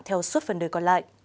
theo suốt phần đời còn lại